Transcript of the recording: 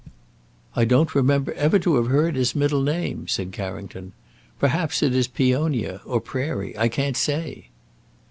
"I don't remember ever to have heard his middle name," said Carrington. "Perhaps it is Peonia or Prairie; I can't say."